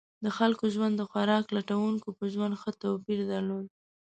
د خلکو ژوند د خوراک لټونکو په ژوند ښه توپیر درلود.